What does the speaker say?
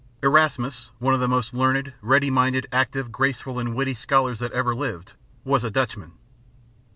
Erasmus, one of the most learned, ready minded, acute, graceful and witty scholars that ever lived, was a Dutchman.